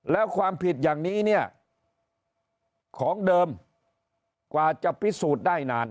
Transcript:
แล้วความผิดอย่างนี้เนี่ยของเดิมกว่าจะพิสูจน์ได้นาน